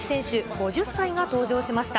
５０歳が登場しました。